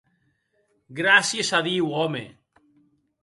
Gràcies a Diu, òme.